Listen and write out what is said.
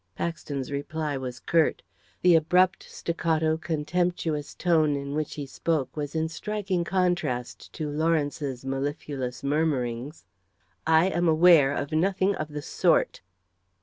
Paxton's reply was curt. The abrupt, staccato, contemptuous tone in which he spoke was in striking contrast to Lawrence's mellifluous murmurings. "I am aware of nothing of the sort."